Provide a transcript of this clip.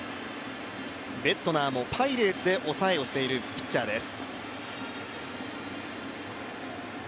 ベッドナーもパイレーツで押さえをしているピッチャーです。